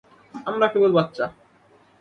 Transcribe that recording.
আমরা কেবল বাচ্চা।